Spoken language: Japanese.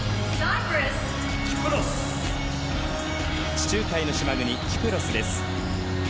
地中海の島国キプロスです。